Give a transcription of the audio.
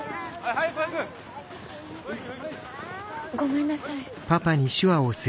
ごめんなさい。